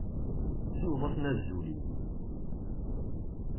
Siweḍ-asen azul-iw.